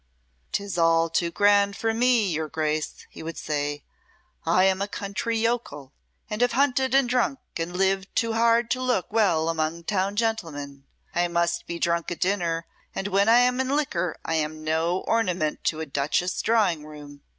"'Tis all too grand for me, your Grace," he would say; "I am a country yokel, and have hunted and drank, and lived too hard to look well among town gentlemen. I must be drunk at dinner, and when I am in liquor I am no ornament to a duchess's drawing room.